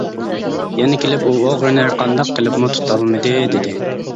يەنە كېلىپ ئۇ ئوغرىنى ھەرقانداق قىلىپمۇ تۇتالمىدى دېدى.